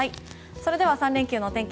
それでは３連休のお天気